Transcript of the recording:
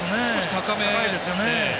高いですよね。